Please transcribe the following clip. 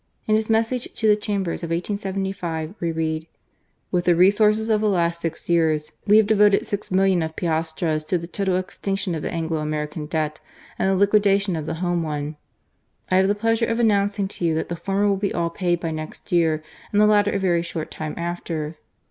In his message to the Chambers of 1875, we read :" With the resources of the last six years, we have devoted six millions of piastres to the total extinction of the Anglo American debt, and the liquidation of the home one. I have the pleasure of announcing to you that the former will be all paid by next year, and the latter a very short time after."